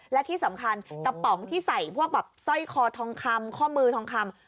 และที่สำคัญกระป๋องที่ใส่พวกแบบสร้อยคอทองคำข้อมือทองคำ